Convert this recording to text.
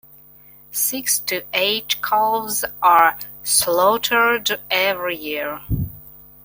Six to eight calves are slaughtered every year.